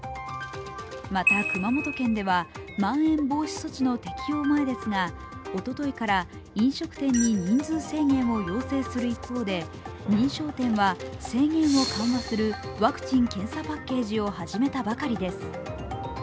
また、熊本県ではまん延防止措置の適用前ですが、おとといから、飲食店に人数制限を要請する一方で認証店は認証店は制限を緩和するワクチン・検査パッケージを始めたばかりです。